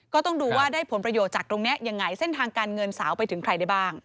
ก็ต้องดูว่าได้ผลประโยชน์จากตรงนี้ยังไงเส้นทางการเงินสาวไปถึงใครได้บ้าง